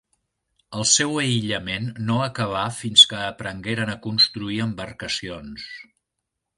El seu aïllament no acabà fins que aprengueren a construir embarcacions.